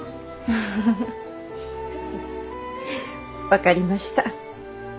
分かりました。